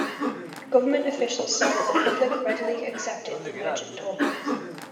Government officials saw that the public readily accepted the merchant tokens.